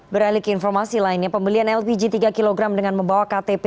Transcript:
beralik informasi lainnya pembelian lpg tiga kg dengan membawa ktp